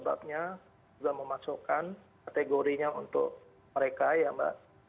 dan itu juga memasukkan kategorinya untuk mereka ya mbak